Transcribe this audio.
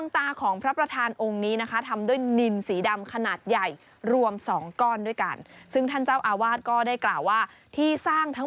แต่อันนี้มันก็ดีไง